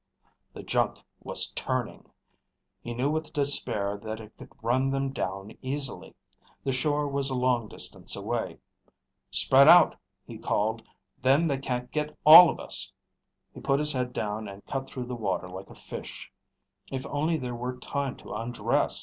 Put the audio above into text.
The junk was turning! He knew with despair that it could run them down easily. The shore was a long distance away. "Spread out," he called. "Then they can't get all of us." He put his head down and cut through the water like a fish. If only there were time to undress!